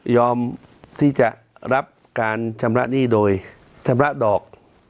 ที่จะรับการชำระหนี้โดยชำระดอก